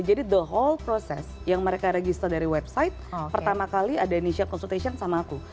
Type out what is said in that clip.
jadi the whole process yang mereka register dari website pertama kali ada initial consultation sama aku